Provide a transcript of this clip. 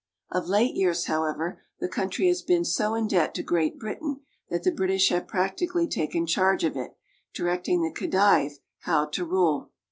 Of late years, however, the country has been so in debt to Great Britain that the British have practically taken charge of it, directing the Khedive how to rule.